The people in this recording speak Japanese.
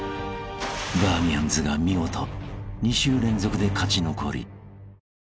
［バーミヤンズが見事２週連続で勝ち残り］